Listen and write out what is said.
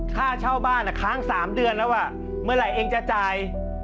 ค่าเช่าบ้านค้าง๓เดือนแล้วเมื่อไหร่เองจะจ่าย